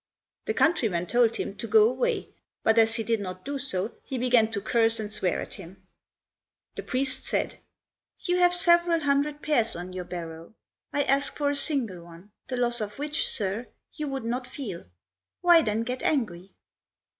The countryman told him to go away, but as he did not do so he began to curse and swear at him. The priest said, "You have several hundred pears on your barrow; I ask for a single one, the loss of which, Sir, you would not feel. Why then get angry?"